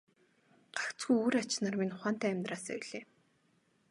Гагцхүү үр ач нар минь ухаантай амьдраасай билээ.